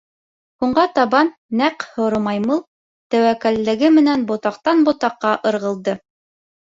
Һуңға табан нәҡ һоро маймыл тәүәккәллеге менән ботаҡтан ботаҡҡа ырғылды.